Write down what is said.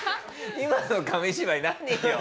今の紙芝居何よ？